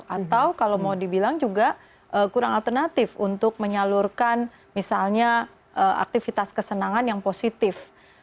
atau kalau mau dibilang juga kurang alternatif untuk menyalurkan misalnya aktivitas kesenangan yang positif